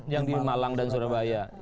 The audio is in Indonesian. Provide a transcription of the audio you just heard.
yang di malang dan surabaya